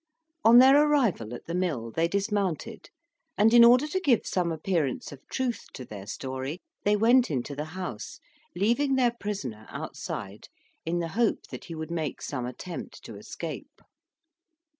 On their arrival at the mill, they dismounted, and in order to give some appearance of truth to their story, they went into the house; leaving their prisoner outside, in the hope that he would make some attempt to escape.